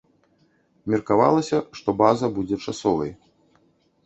Меркавалася, што база будзе часовай.